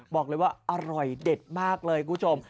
บอกเลยว่าอร่อยเด็ดมากเลยคุณผู้ชม